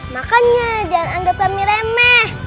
makanya jangan anggap kami remeh